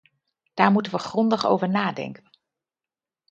Daar moeten we grondig over nadenken.